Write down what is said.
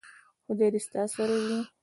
خدای دې ستا سره وي .